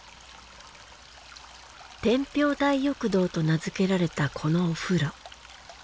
天平大浴堂と名づけられたこのお風呂。